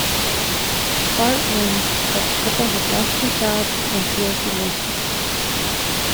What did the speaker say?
Bart learns that the couple have lost their jobs and feels remorseful.